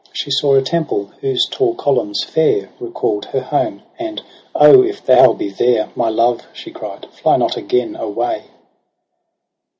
She saw a temple, whose tall columns fair Recall'd her home 5 and ' O if thou be there. My love,' she cried, ' fly not again away.'